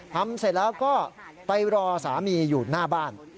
ทำเสร็จแล้วก็ไปรอสามีอยู่หน้าบ้าน